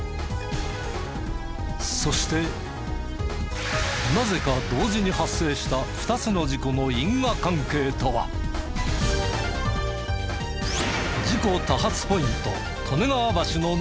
そしてなぜか同時に発生した２つの事故の因果関係とは？に迫る！